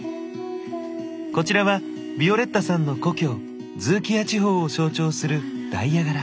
こちらはヴィオレッタさんの故郷ズーキヤ地方を象徴するダイヤ柄。